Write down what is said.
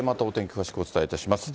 詳しくお伝えいたします。